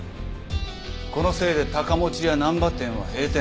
このせいで高持屋難波店は閉店。